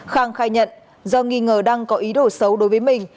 khang khai nhận do nghi ngờ đang có ý đồ xấu đối với mình